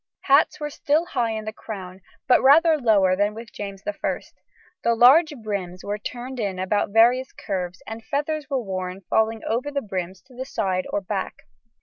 Hats were still high in the crown, but rather lower than with James I; the large brims were turned about in various curves, and feathers were worn falling over the brims to the side or back.